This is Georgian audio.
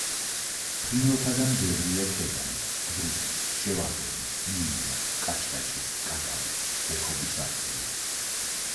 ფრინველთაგან ბევრია: ქედანი, გვრიტი, შევარდენი, მიმინო, კაჭკაჭი, კაკაბი, ბექობის არწივი.